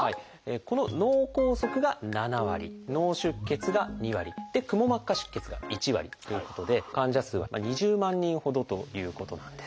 この「脳梗塞」が７割「脳出血」が２割「くも膜下出血」が１割ということで患者数は２０万人ほどということなんです。